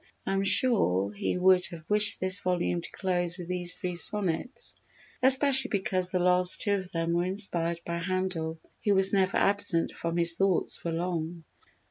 I am sure he would have wished this volume to close with these three sonnets, especially because the last two of them were inspired by Handel, who was never absent from his thoughts for long.